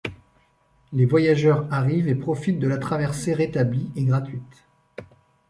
Les voyageurs arrivent et profitent de la traversée rétablie et gratuite.